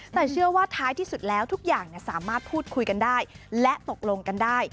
แต่เชื่อว่าท้ายที่สุดแล้วทุกอย่างสามารถพูดคุยกันได้และตกลงกันได้